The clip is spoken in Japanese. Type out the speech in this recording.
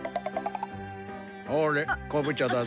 ほれこぶ茶だぞ。